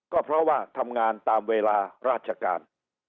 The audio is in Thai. ก็เพราะว่าทำงานตามเวลาราชการ